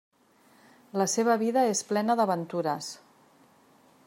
La seva vida és plena d'aventures.